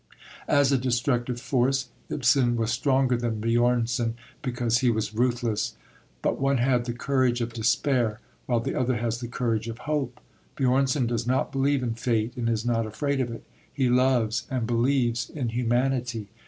As a destructive force Ibsen was stronger than Björnson, because he was ruthless. But one had the courage of despair, while the other has the courage of hope. Björnson does not believe in Fate and is not afraid of it. He loves and believes in humanity.